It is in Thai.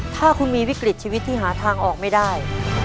ถ้าคุณมีวิกฤตชีวิตที่หาทางออกไม่ได้